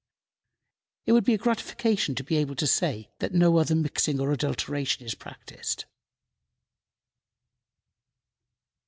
It would be a gratification to be able to say that no other mixing or adulteration is practiced.